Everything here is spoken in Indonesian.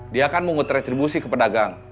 dia kan mau ngutretribusi ke pedagang